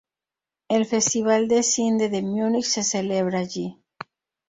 El festival de cine de Múnich se celebra allí.